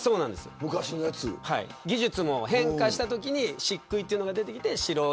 技術も変化したときにしっくいというのが出てきて